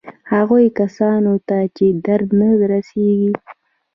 هغو کسانو ته یې درد نه رسېږي.